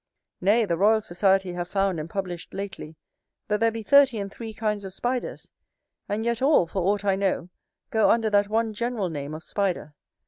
Nay, the Royal Society have found and published lately, that there be thirty and three kinds of spiders; and yet all, for aught I know, go under that one general name of spider.